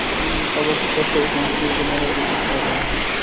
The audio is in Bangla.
এই অবস্থাতেও সম্পূর্ণরূপে মনের অতীত হওয়া যায় না।